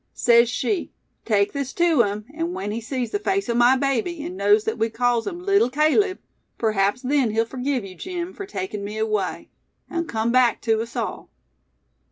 Sez she, 'take this tew him, an' when he sees the face o' my baby and knows thet we calls him Leetle Caleb, p'raps then he'll forgive yeou, Jim, fur takin' me away; an' come back tew us all.